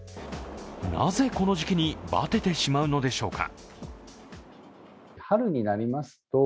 なぜ、この時期にバテてしまうのでしょうか。